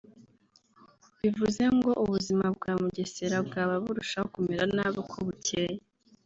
bivuze ngo ubuzima bwa Mugesera bwaba burushaho kumera nabi uko bukeye